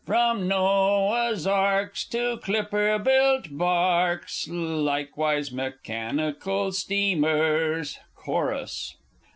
From Noah's Arks to Clipper built barques, Like wise mechanical stea mers. _Chorus.